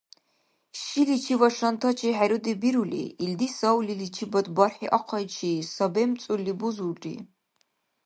Шиличи ва шантачи хӀеруди бирули, илди савлиличибад бархӀи ахъайчи сабемцӀурли бузулри.